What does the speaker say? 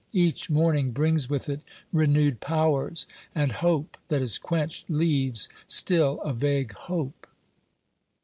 Each morning brings with it renewed powers, and hope that is quenched leaves still a vague hope.